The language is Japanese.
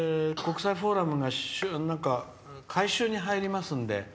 これから、来年国際フォーラムが改修に入りますので。